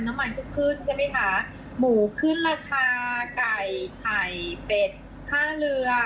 น้ำมันก็ขึ้นใช่ไหมคะหมูขึ้นราคาไก่ไข่เป็ดค่าเรือ